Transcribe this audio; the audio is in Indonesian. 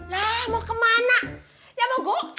lah mau kemana ya mau go out